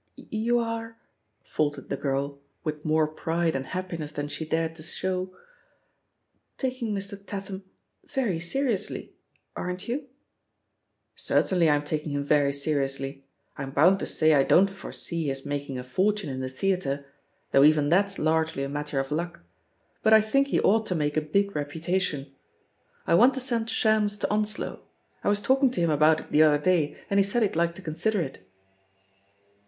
"You are," faltered the girl, with more pride and happiness than she dared to show, "taking Mr. Tatham very seriously, aren't you?" "Certainly I'm taking him very seriously. I'm bound to say I don't foresee his making a fortune in the theatre — ^though even that's largely a mat ter of luck — ^but I think he ought to make a big reputation. I want to send Shams to Onslow — I was talking to him about it the other day and he said he'd like to consider it."